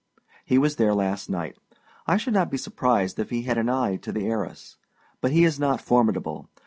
He was there last night. I should not be surprised if he had an eye to the heiress; but he is not formidable.